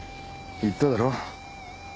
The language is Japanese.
言っただろ？